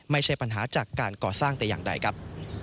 ไม่ใช่ปัญหาจากการก่อสร้างแต่อย่างใดครับ